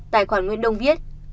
tài khoản nguyễn đông viết